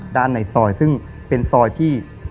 ในซอยซึ่งเป็นซอยที่